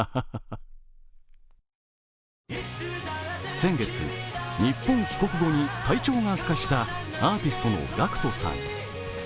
先月、日本帰国後に体調が悪化したアーティストのＧＡＣＫＴさん。